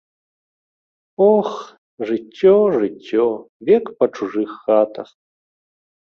Ох, жыццё, жыццё, век па чужых хатах.